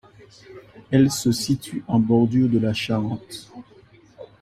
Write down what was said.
Elle se situe en bordure de la Charente.